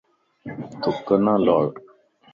ٿُک نه لاڻ